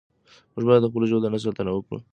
موږ باید د خپلو ژویو د نسل ساتنه وکړو.